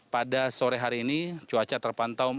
pada sore hari ini cuaca terpantau